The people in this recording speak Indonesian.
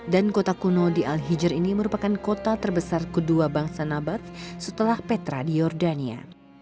dan kota kuno di al hijr ini merupakan kota terbesar kedua bangsa nabat setelah petra di jordania